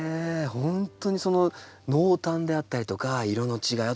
ほんとにその濃淡であったりとか色の違い